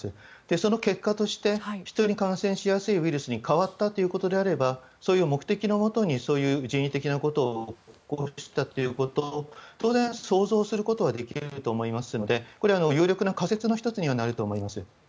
その結果としてヒトに感染しやすいウイルスに変わったということであればそういう目的のもとに人為的なことを起こしたということを当然、想像することができることはできますので有力な仮説の１つにはなると思います。